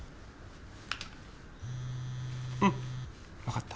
うんわかった。